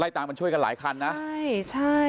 มีช่วงแรงช่วยกันหลายคันนะ